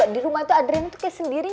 di rumah itu adriana tuh kayak sendiri